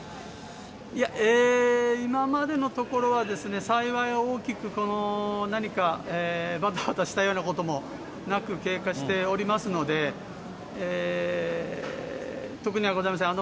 今までのところは、幸い、大きく、何かばたばたしたようなこともなく、経過しておりますので、特にはございません。